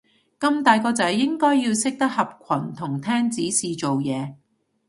咁大個仔應該要識得合群同聽指示做嘢